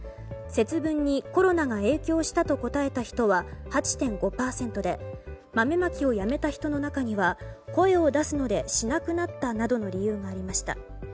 節分にコロナが影響したと答えた人は８．５％で豆まきをやめた人の中には声を出すのでしなくなったなどの理由がありました。